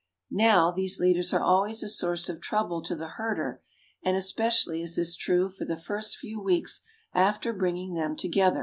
Now, these leaders are always a source of trouble to the herder, and especially is this true for the first few weeks after bringing them together.